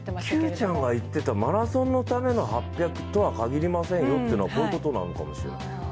Ｑちゃんが言ってたマラソンのための８００とは限りませんよというのはこういうことなのかもしれない。